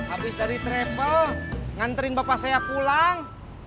habis dari travel nganterin bapak saya pulang